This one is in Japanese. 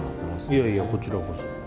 いやいや、こちらこそ。